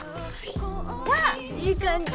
わあっいい感じ